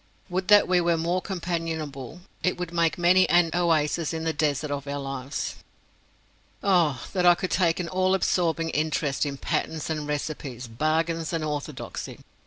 Would that we were more companionable, it would make many an oasis in the desert of our lives. Oh that I could take an all absorbing interest in patterns and recipes, bargains and orthodoxy!